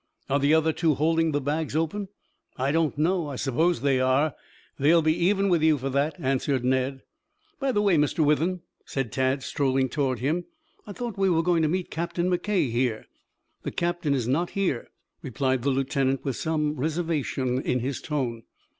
"Are the other two holding the bags open?" "I don't know. I suppose they are. They'll be even with you for that," answered Ned. "By the way, Mr. Withem," said Tad strolling towards him, "I thought we were going to meet Captain McKay here." "The captain is not here," replied the lieutenant with some reservation in his tone.